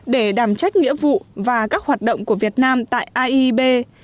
để đảm trách nghĩa vụ và các hoạt động của việt nam tại aieb